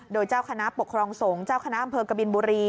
โดยเจ้าคณะปกครองสงฆ์เจ้าคณะอำเภอกบินบุรี